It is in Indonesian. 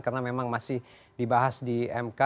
karena memang masih dibahas di mk